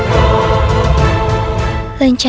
kisana kejadian dan kejadian